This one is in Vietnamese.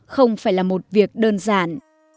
không phải là một việc đơn giản